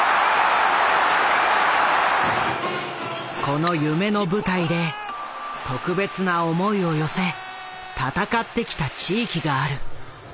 この夢の舞台で特別な思いを寄せ闘ってきた地域がある。